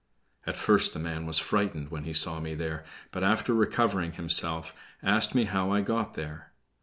At first the man was frightened when he saw me there, but after recovering himself, asked me how I got there.